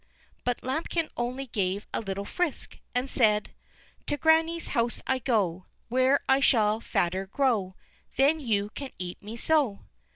But Lambikin only gave a little frisk, and said: "To granny's house I go, Where I shall fatter grow, Then you can eat me so."